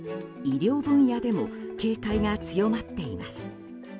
医療分野でも警戒が強まっています。